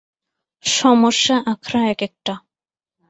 সমস্যা আখড়া একেকটা।